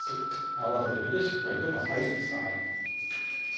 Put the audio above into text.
泡立て器でしっかりと混ぜてください